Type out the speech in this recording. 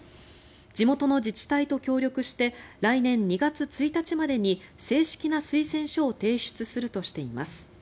地元の自治体と協力して来年２月１日までに正式な推薦書を提出するとしています。